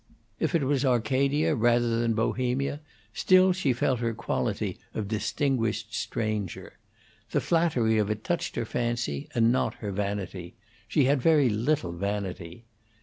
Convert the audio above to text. If it was Arcadia rather than Bohemia, still she felt her quality of distinguished stranger. The flattery of it touched her fancy, and not her vanity; she had very little vanity.